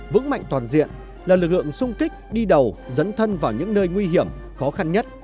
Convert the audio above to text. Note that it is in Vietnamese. vững mạnh toàn diện là lực lượng sung kích đi đầu dấn thân vào những nơi nguy hiểm khó khăn nhất